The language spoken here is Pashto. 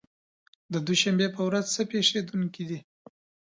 د دوشنبې په ورځ څه پېښېدونکي دي؟